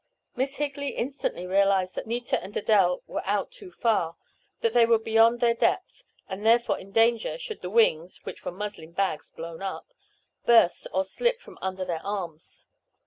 Miss Higley instantly realized that Nita and Adele were out too far—that they were beyond their depth and therefore in danger should the wings (which were muslin bags blown up) burst or slip from under their arms.